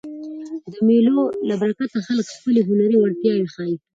د مېلو له برکته خلک خپلي هنري وړتیاوي ښيي.